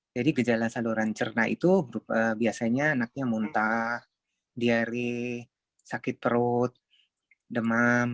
jadi gejala saluran cerna itu biasanya anaknya muntah diari sakit perut demam